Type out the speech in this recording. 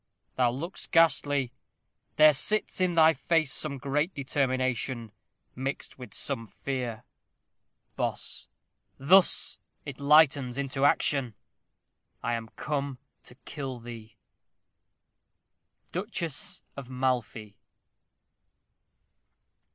Thou look'st ghastly; There sits in thy face some great determination, Mixed with some fear. Bos. Thus it lightens into action: I am come to kill thee. _Duchess of Malfy.